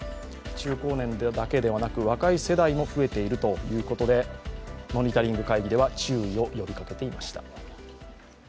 中高年だけでなく若い世代で増えているということでモニタリング会議では注意を呼びかけていました。